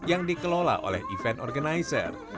yang dikelola oleh event organizer